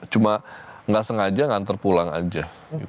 cuma nggak sengaja ngantar pulang aja